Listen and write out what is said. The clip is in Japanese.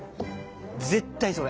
絶対それ！